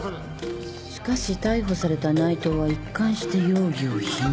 「しかし逮捕された内藤は一貫して容疑を否認」